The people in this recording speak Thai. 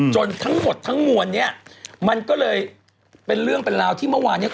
ทั้งหมดทั้งมวลเนี่ยมันก็เลยเป็นเรื่องเป็นราวที่เมื่อวานเนี่ย